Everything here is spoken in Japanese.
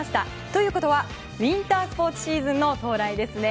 ということはウィンタースポーツシーズンの到来ですね。